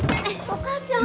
お母ちゃん！